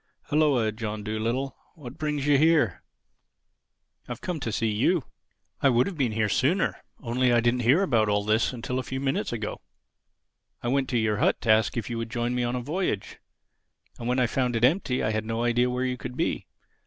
"Hulloa, John Dolittle. What brings you here?" "I've come to see you. I would have been here sooner, only I didn't hear about all this till a few minutes ago. I went to your hut to ask you if you would join me on a voyage; and when I found it empty I had no idea where you could be.